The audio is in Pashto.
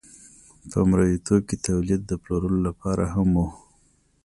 په مرئیتوب کې تولید د پلورلو لپاره هم و.